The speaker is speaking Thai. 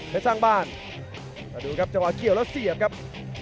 สร้างบ้านมาดูครับจังหวะเกี่ยวแล้วเสียบครับ